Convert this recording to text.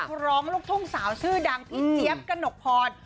ร้องลูกทุ่งสาวชื่อดังพี่เจี๊ยบกระหนกพร